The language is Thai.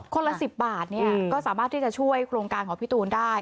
ละ๑๐บาทก็สามารถที่จะช่วยโครงการของพี่ตูนได้